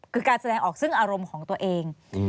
คือการแสดงออกซึ่งอารมณ์ของตัวเอง